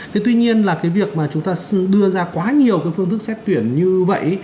thế tuy nhiên là cái việc mà chúng ta đưa ra quá nhiều cái phương thức xét tuyển như vậy